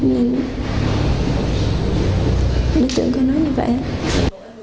đối tượng có nói như vậy